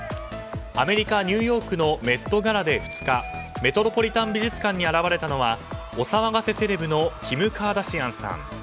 アメリカ・ニューヨークのメット・ガラで２日メトロポリタン美術館に現れたのはお騒がせセレブのキム・カーダシアンさん。